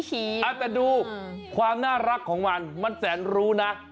แต่ดูความน่ารักของมันมันแสนรู้นะ